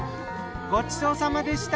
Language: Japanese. ごちそうさまでした。